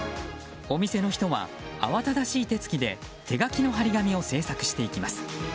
お店の人は、慌ただしい手つきで手書きの貼り紙を製作していきます。